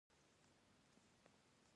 پکورې له ډوډۍ سره یو خوند لري